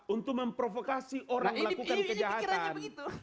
untuk memprovokasi orang melakukan kejahatan